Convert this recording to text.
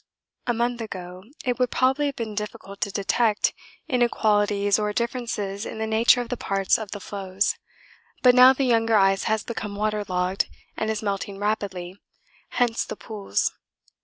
A month ago it would probably have been difficult to detect inequalities or differences in the nature of the parts of the floes, but now the younger ice has become waterlogged and is melting rapidly, hence the pools.